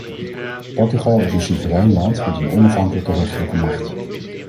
Portugal is een soeverein land met een onafhankelijke rechterlijke macht.